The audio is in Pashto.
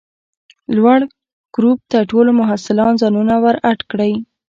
لوړ ګروپ ته ټوله محصلان ځانونه ور اډ کئ!